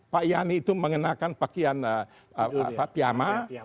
pak yani itu mengenakan pakaian piyama